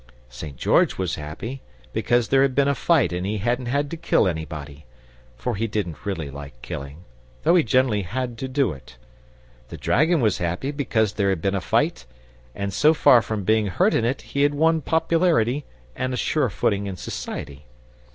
St George was happy because there had been a fight and he hadn't had to kill anybody; for he didn't really like killing, though he generally had to do it. The dragon was happy because there had been a fight, and so far from being hurt in it he had won popularity and a sure footing in society.